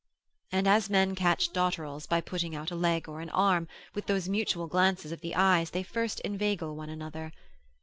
And as men catch dotterels by putting out a leg or an arm, with those mutual glances of the eyes they first inveigle one another.